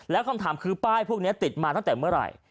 แล้วคำถามคือป้ายพวกนี้ติดมาตั้งแต่เมื่อไหร่